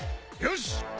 よし！